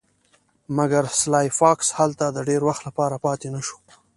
مګر سلای فاکس هلته د ډیر وخت لپاره پاتې نشو